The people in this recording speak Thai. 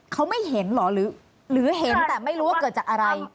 เขาไม่เห็นเหรอหรือเห็นแต่ไม่รู้ว่าเกิดจากอะไร